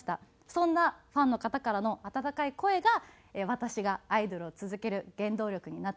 そんなファンの方からの温かい声が私がアイドルを続ける原動力になっています。